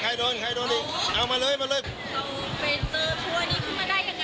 ใครโดนใครโดนอีกเอามาเลยมาเลยเราไปเจอตัวนี้ขึ้นมาได้ยังไง